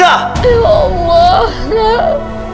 ya allah nak